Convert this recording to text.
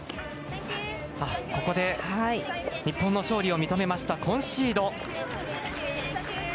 ここで日本の勝利を認めましたコンシード。